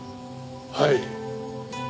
はい。